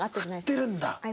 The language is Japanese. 振ってるんだ。